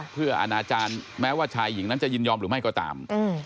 เพื่ออนาจารย์แม้ว่าชายหญิงนั้นจะยินยอมหรือไม่ก็ตาม